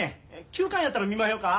急患やったら見まひょか？